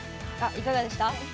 いかがでした？